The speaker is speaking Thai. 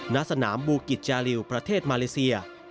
ณสนามบูกิจจาริวประเทศมาเลเซีย